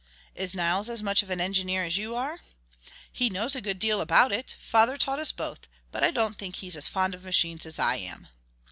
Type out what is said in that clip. "Is Nils as much of an engineer as you are?" "He knows a good deal about it. Father taught us both, but I don't think he's as fond of machines as I am."